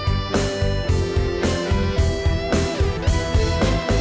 bisa di sini juga di sini juga